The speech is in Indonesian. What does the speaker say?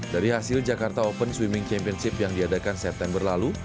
dari hasil jakarta open swimming championship yang diadakan september lalu